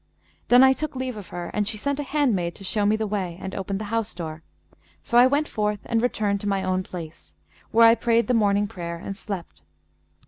Then I took leave of her and she sent a handmaid to show me the way and open the house door; so I went forth and returned to my own place, where I prayed the morning prayer and slept.